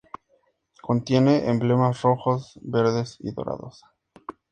Contiene emblemas rojos, verdes y dorados.